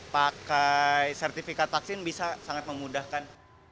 pakai sertifikat vaksin bisa sangat memudahkan